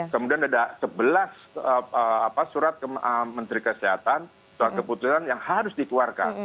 kemudian ada sebelas surat menteri kesehatan soal keputusan yang harus dikeluarkan